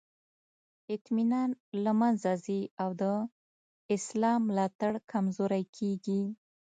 اطمینان له منځه ځي او د اصلاح ملاتړ کمزوری کیږي.